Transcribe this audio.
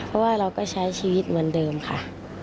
เพราะว่าเราก็ใช้ชีวิตเหมือนเดิมค่ะ